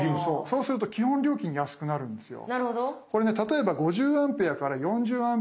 そうすると基本料金安くなるんですよ。